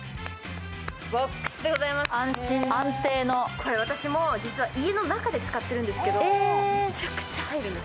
これ私も家の中で使ってるんですけどめちゃくちゃ入るんです。